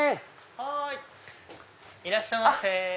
はいいらっしゃいませ。